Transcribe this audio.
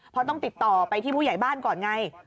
เพราะต้องติดต่อไปที่ผู้ใหญ่บ้านก่อนไง